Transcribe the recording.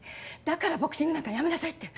だからボクシング部なんかやめなさいって。